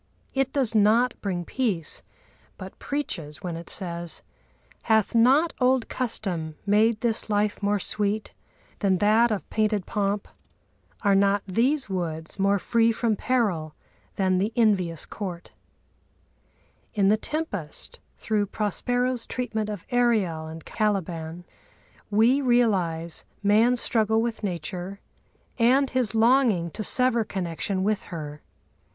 It does not bring peace, but preaches, when it says: Hath not old custom made this life more sweet Than that of painted pomp? Are not these woods More free from peril than the envious court? In the Tempest, through Prospero's treatment of Ariel and Caliban we realise man's struggle with Nature and his longing to sever connection with her.